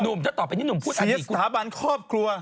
นุ่มถ้าต่อไปนี่นุ่มพูดอดีตศีรษฐาบาลครอบครัว